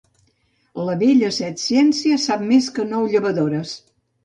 La vella Setciències sap més que nou llevadores.